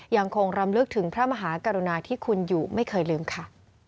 ยังคงรำลึกถึงพระมหากรุณาที่คุณอยู่ไม่เคยลืมค่ะ